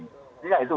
jadi ya itu